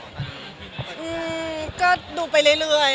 จะดูค่ะดูไปเรื่อย